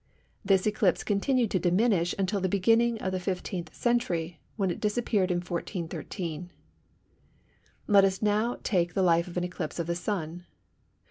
This eclipse continued to diminish until the beginning of the 15th century, when it disappeared in 1413. Let us take now the life of an eclipse of the Sun.